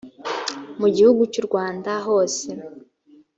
mu gihugu cy u rwanda hose